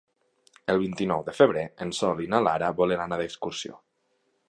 El vint-i-nou de febrer en Sol i na Lara volen anar d'excursió.